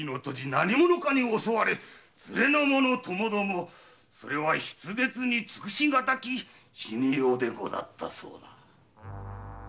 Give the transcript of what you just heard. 何者かに襲われ連れの者ともどもそれは筆舌に尽くし難き死に様でござったそうな。